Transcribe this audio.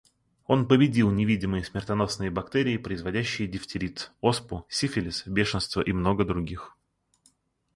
Он победил невидимые смертоносные бактерии, производящие дифтерит, оспу, сифилис, бешенство и много других.